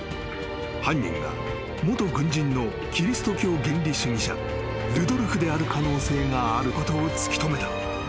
［犯人が元軍人のキリスト教原理主義者ルドルフである可能性があることを突き止めた］